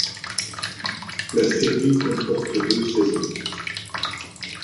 La série comporte deux saisons.